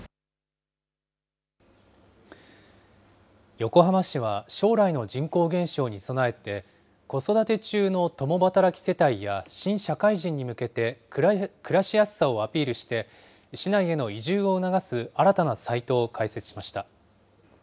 横浜市は将来の人口減少に備えて、子育て中の共働き世帯や、新社会人に向けて暮らしやすさをアピールして、市内への移住を促す新たなサイトを開設しました。